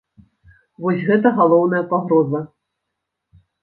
Вось гэта галоўная пагроза.